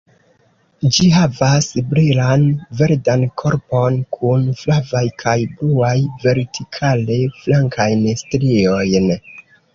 Ĝi havas brilan verdan korpon kun flavaj kaj bluaj, vertikale flankajn striojn.